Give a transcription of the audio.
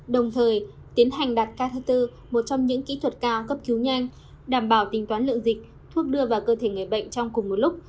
đồng thời tiến hành đặt k thứ bốn một trong những kỹ thuật cao cấp cứu nhanh đảm bảo tính toán lượng dịch thuốc đưa vào cơ thể người bệnh trong cùng một lúc